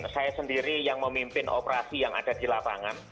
saya sendiri yang memimpin operasi yang ada di lapangan